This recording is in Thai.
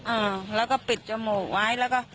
อ่าแล้วก็ปิดจมูกไว้แล้วก็